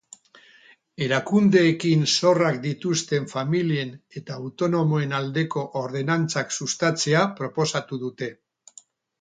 Erakundeekin zorrak dituzten familien eta autonomoen aldeko ordenantzak sustatzea proposatu dute.